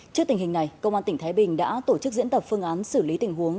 trước tình hình này công an tỉnh thái bình đã tổ chức diễn tập phương án xử lý tình huống